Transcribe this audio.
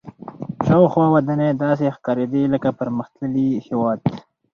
شاوخوا ودانۍ داسې ښکارېدې لکه پرمختللي هېواد.